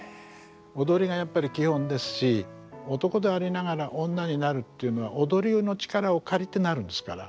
踊りがやっぱり基本ですし男でありながら女になるっていうのは踊りの力を借りてなるんですから。